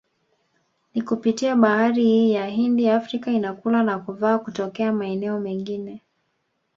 Ni kupitia bahari hii ya Hindi Afrika inakula na kuvaa kutokea maeneo mengine